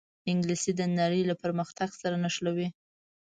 انګلیسي د نړۍ له پرمختګ سره نښلوي